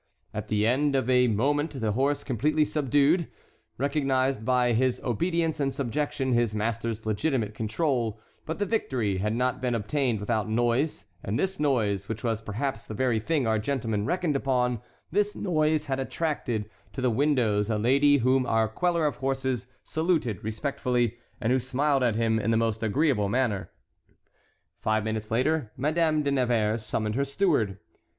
At the end of a moment the horse completely subdued, recognized by his obedience and subjection his master's legitimate control, but the victory had not been obtained without noise, and this noise, which was perhaps the very thing our gentleman reckoned upon, this noise had attracted to the windows a lady whom our queller of horses saluted respectfully, and who smiled at him in the most agreeable manner. Five minutes later Madame de Nevers summoned her steward.